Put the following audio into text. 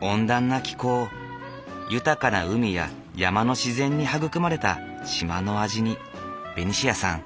温暖な気候豊かな海や山の自然に育まれた島の味にベニシアさん